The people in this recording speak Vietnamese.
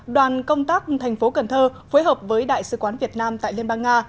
đoàn công tác thành phố cần thơ phối hợp với đại sứ quán việt nam tại liên bang nga